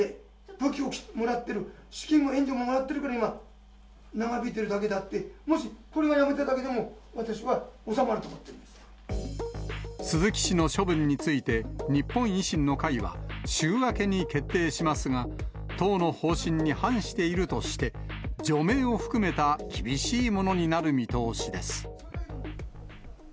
武器をもらっている、資金も援助ももらってるから今、長引いてるだけであって、もしこれをやめただけでも、鈴木氏の処分について、日本維新の会は、週明けに決定しますが、党の方針に反しているとして、除名を含めた厳しいものになる見通しです。